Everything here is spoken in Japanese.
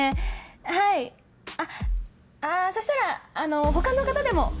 はいあっあそしたら他の方でも。